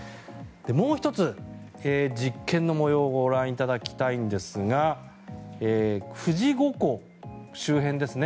もう１つ、実験の模様をご覧いただきたいんですが富士五湖周辺ですね。